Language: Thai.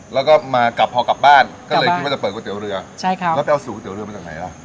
พอกลับก็เลยคิดว่าจะเปิดก๋วยเตี๋ยวเรือแล้วไปเอาสูตรก๋วยเตี๋ยวเรืออะไรดังไหนล่ะ